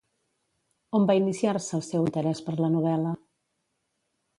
On va iniciar-se el seu interès per la novel·la?